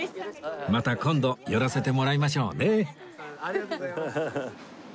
また今度寄らせてもらいましょうね